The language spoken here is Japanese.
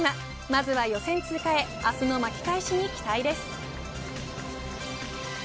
まずは予選通過へ明日の巻き返しに期待です。